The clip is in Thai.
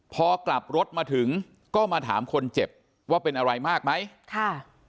พอกลับรถมาถึงก็มาถามคนเจ็บว่าเป็นอะไรมากไหมค่ะ